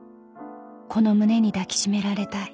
この胸に抱き締められたい］